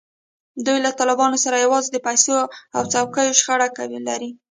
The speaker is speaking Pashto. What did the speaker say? دوی له طالبانو سره یوازې د پیسو او څوکیو شخړه لري.